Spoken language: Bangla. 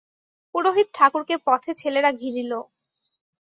পুরোহিত ঠাকুরকে পথে ছেলেরা ঘিরিল।